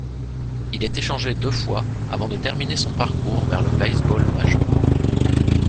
Il est échangé deux fois avant de terminer son parcours vers le baseball majeur.